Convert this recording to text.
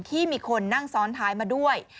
ที่มีคนนั่งซ้อนท้ายมาด้วย